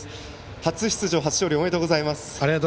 初出場、初勝利おめでとうございます。